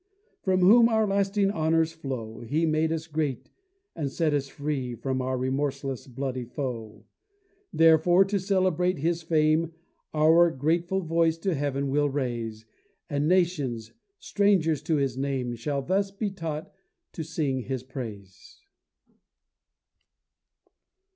From Whom our lasting honors flow; He made us great, and set us free From our remorseless bloody foe. Therefore to celebrate His fame, Our grateful voice to Heaven we'll raise; And nations, strangers to His name, Shall thus be taught to sing His praise.